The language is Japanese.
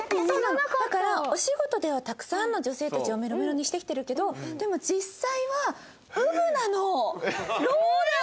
お仕事ではたくさんの女性たちをメロメロにしてきてるけどでも実際はウブなの。